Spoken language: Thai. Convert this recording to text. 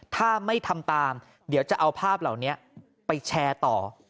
ถ้าไม่ทำตามเดี๋ยวจะเอาภาพเหล่านี้ไปแชร์ต่อ